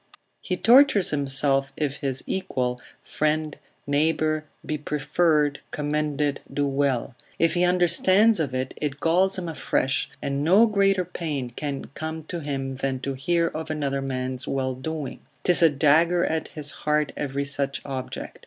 He tortures himself if his equal, friend, neighbour, be preferred, commended, do well; if he understand of it, it galls him afresh; and no greater pain can come to him than to hear of another man's well doing; 'tis a dagger at his heart every such object.